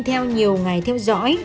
theo nhiều ngày theo dõi